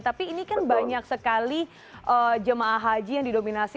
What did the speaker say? tapi ini kan banyak sekali jemaah haji yang didominasi